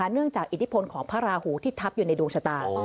เนื่องจากอิทธิพลของพระราหูที่ทับอยู่ในดวงชะตา